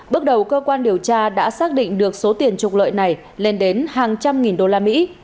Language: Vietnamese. bước đầu cơ quan điều tra đã xác định được số tiền trục lợi này lên đến hàng trăm nghìn đô la mỹ